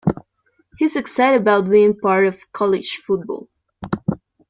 He's excited about being part of college football.